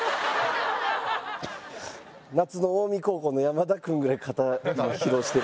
夏の近江高校の山田君ぐらい肩、今、疲労してる。